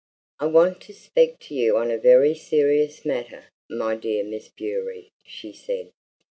"I want to speak to you on a very serious matter, my dear Miss Bewery," she said.